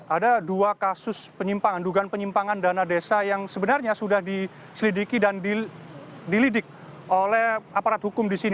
ada dua kasus penyimpangan dugaan penyimpangan dana desa yang sebenarnya sudah diselidiki dan dilidik oleh aparat hukum di sini